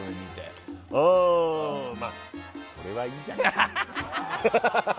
うーんそれはいいじゃない。